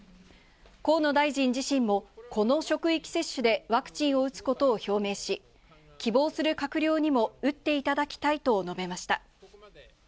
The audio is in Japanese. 河野大臣自身も、この職域接種でワクチンを打つことを表明し、希望する閣僚にも打っていただきたいと述べました。